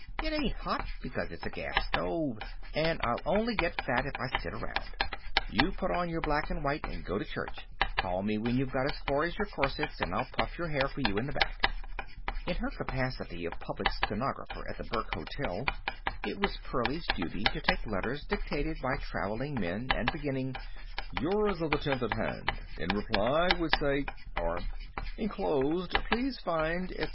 "It ain't hot, because it's a gas stove. And I'll only get fat if I sit around. You put on your black and white and go to church. Call me when you've got as far as your corsets, and I'll puff your hair for you in the back." In her capacity of public stenographer at the Burke Hotel, it was Pearlie's duty to take letters dictated by traveling men and beginning: "Yours of the 10th at hand. In reply would say. ..." or: "Enclosed please find, etc."